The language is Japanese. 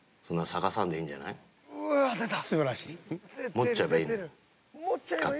「持っちゃえばいいのよ」。